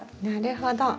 なるほど。